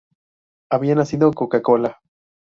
Había nacido Coca-Cola.